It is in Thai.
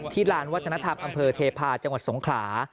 ลานวัฒนธรรมอำเภอเทพาะจังหวัดสงขลา